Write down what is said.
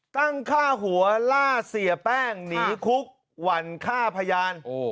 ตั้งฆ่าหัวล่าเสียแป้งหนีคุกหวั่นฆ่าพยาน